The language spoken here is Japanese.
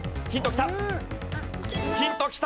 ヒントきた！